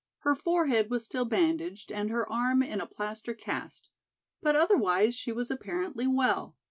Her forehead was still bandaged and her arm in a plaster cast, but otherwise she was apparently well.